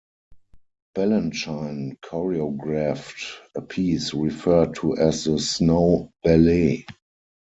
Balanchine choreographed a piece referred to as the "Snow Ballet".